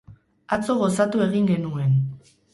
Atzo gozatu egin genuen.